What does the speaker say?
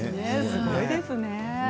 すごいですね。